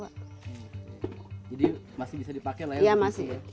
jadi masih bisa dipakai layar